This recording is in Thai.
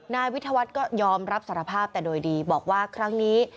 นายวิทยาวัฒน์ก็ยอมรับสารภาพแต่โดยดีบอกว่าครั้งนี้